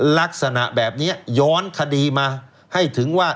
ลักษณะแบบนี้ย้อนคดีมาให้ถึงว่า